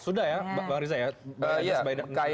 sudah ya bang riza ya